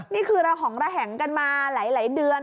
นี่คือระหองระแหงกันมาหลายเดือน